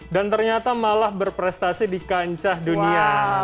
dan ternyata malah berprestasi di kancah dunia